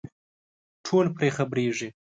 ټول پرې خبرېږي.